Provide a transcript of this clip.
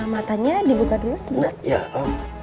matanya dibuka dulu sebelah